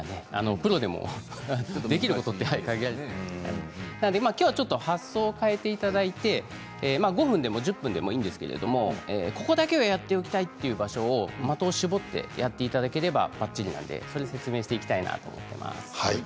プロでもできることは限られてくるのできょうは発想を変えていただいて５分でも１０分でもいいんですけれどここだけはやっておきたいという場所を的を絞ってやっていただければばっちりなのでそれを説明していきたいなと思います。